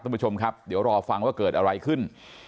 ท่านผู้ชมครับเดี๋ยวรอฟังว่าเกิดอะไรขึ้น